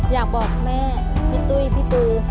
อยากบอกแม่พี่ตุ้ยพี่ปู